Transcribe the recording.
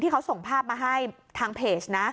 เขาส่งภาพมาให้ทางเพจนะ